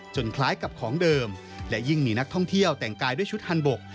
คล้ายกับของเดิมและยิ่งมีนักท่องเที่ยวแต่งกายด้วยชุดฮันบก